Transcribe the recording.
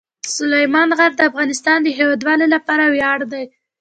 سلیمان غر د افغانستان د هیوادوالو لپاره ویاړ دی.